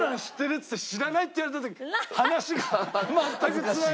っつって「知らない」って言われた時話が全く繋がらない。